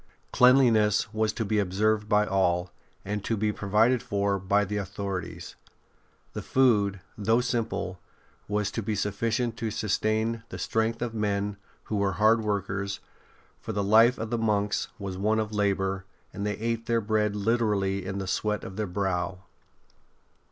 Cleanliness was to be observed by all, and to be provided for by the authorities. The food, though simple, was to be sufficient to sustain the strength of men who were hard workers, for the life of the monks was one of labour, and they ate their bread literally in the sweat of their brow.